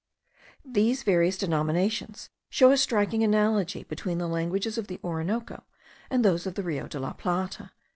These various denominations show a striking analogy between the languages of the Orinoco and those of the Rio de la Plata.)